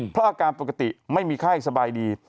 เพราะอาการปกติไม่มีไข้สบายดี